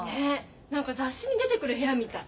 何か雑誌に出てくる部屋みたい。